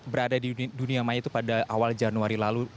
berada di dunia maya itu pada awal januari lalu